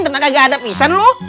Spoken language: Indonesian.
ternyata gak ada pisan lu